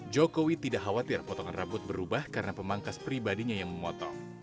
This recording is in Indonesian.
jokowi tidak khawatir potongan rambut berubah karena pemangkas pribadinya yang memotong